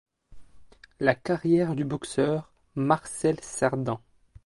La carrière du boxeur Marcel Cerdan.